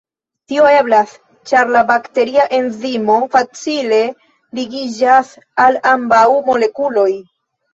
Tio eblas, ĉar la bakteria enzimo facile ligiĝas al ambaŭ molekuloj.